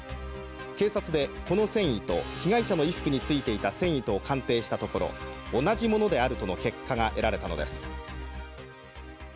警察でこの繊維と被害者の衣服に付いていた繊維とを鑑定したところ同じものであるとの結果が得られたのです。